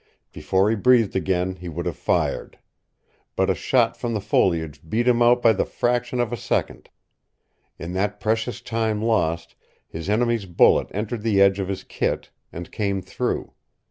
Before he breathed again he would have fired. But a shot from the foliage beat him out by the fraction of a second. In that precious time lost, his enemy's bullet entered the edge of his kit and came through.